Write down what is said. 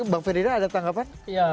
bang ferdinand ada tanggapan